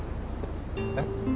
えっ？